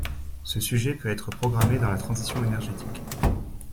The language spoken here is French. Ce sujet peut être programmé dans la transition énergétique.